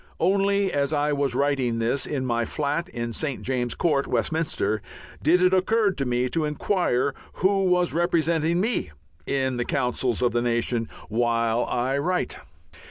Only as I was writing this in my flat in St. James's Court, Westminster, did it occur to me to inquire who was representing me in the councils of the nation while I write....